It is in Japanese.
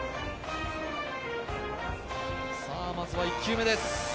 まずは１球目です。